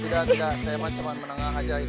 tidak tidak saya cuman menengah aja ini